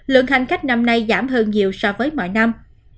lượng hành khách năm nay giảm hơn nhiều so với mọi năm